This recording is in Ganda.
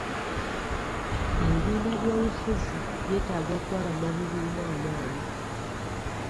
Ebibiina by'obufuzi byetaaga okuwa bannabibiina amaanyi.